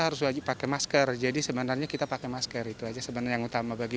harus wajib pakai masker jadi sebenarnya kita pakai masker itu aja sebenarnya utama bagi